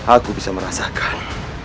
aku bisa merasakan